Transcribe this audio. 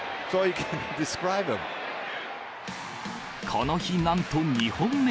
この日、なんと２本目。